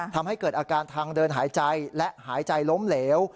ทำให้เกิดอาการทางเดินหายใจและหายใจล้มเหลว